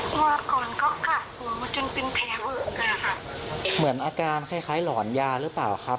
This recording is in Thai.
มาก่อนเขากลับหัวมาจนเป็นเพวะเลยค่ะเหมือนอาการคล้ายคล้ายหลอนยาหรือเปล่าครับ